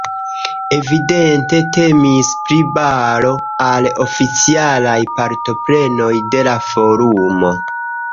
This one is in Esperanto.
Evidente temis pri baro al oficialaj partoprenoj de la forumo.